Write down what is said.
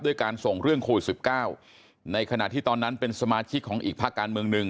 การส่งเรื่องโควิด๑๙ในขณะที่ตอนนั้นเป็นสมาชิกของอีกภาคการเมืองหนึ่ง